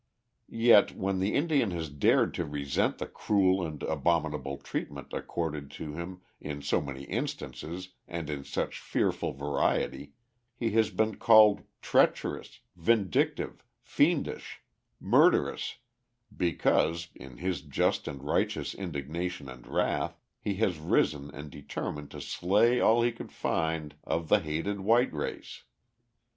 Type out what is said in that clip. Yet, when the Indian has dared to resent the cruel and abominable treatment accorded to him in so many instances and in such fearful variety, he has been called "treacherous, vindictive, fiendish, murderous," because, in his just and righteous indignation and wrath, he has risen and determined to slay all he could find of the hated white race.